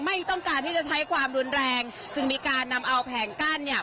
ไม่ต้องการที่จะใช้ความรุนแรงจึงมีการนำเอาแผงกั้นเนี่ย